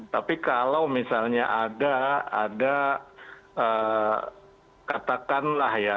tapi kalau misalnya ada katakanlah ya